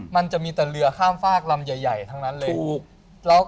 มันจะมีแต่เรือข้ามฝากลำใหญ่ทั้งนั้นเลย